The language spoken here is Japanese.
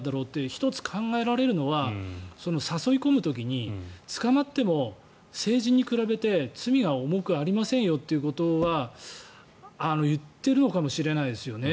１つ、考えられるのは誘い込む時に捕まっても成人に比べて罪が重くありませんよということは言っているのかもしれないですよね。